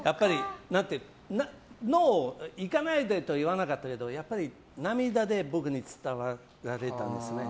ノー、行かないでとは言わなかったけどやっぱり涙で僕に伝えられたんですね。